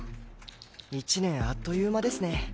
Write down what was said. １年あっという間ですね。